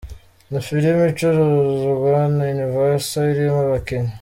Ni filime icuruzwa na Universal, irimo abakinnyi